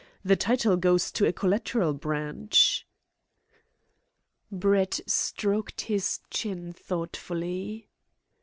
The title goes to a collateral branch." Brett stroked his chin thoughtfully.